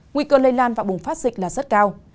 nguy cơ lây lan và bùng phát dịch là rất cao